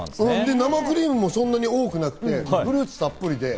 生クリームもそんなに多くなくて、フルーツたっぷりで。